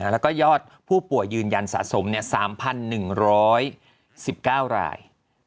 แล้วก็ยอดผู้ป่วยยืนยันสะสม๓๑๑๙ราย